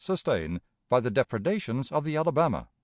] sustain by the depredations of the Alabama."